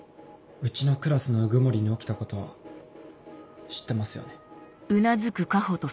うちのクラスの鵜久森に起きたことは知ってますよね？